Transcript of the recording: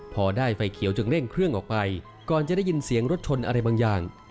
พอได้ไฟเขียวจึงเร่งเครื่องออกไปก่อนจะได้ยินเสียงรถชนอะไรบางอย่าง